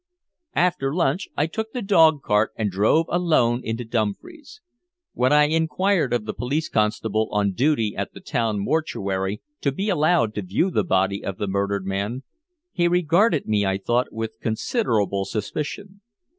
After lunch I took the dog cart and drove alone into Dumfries. When I inquired of the police constable on duty at the town mortuary to be allowed to view the body of the murdered man, he regarded me, I thought, with considerable suspicion.